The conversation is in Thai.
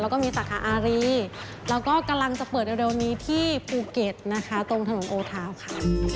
แล้วก็มีสาขาอารีแล้วก็กำลังจะเปิดเร็วนี้ที่ภูเก็ตนะคะตรงถนนโอทาวน์ค่ะ